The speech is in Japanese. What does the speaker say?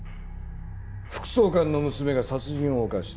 副総監の娘が殺人を犯した。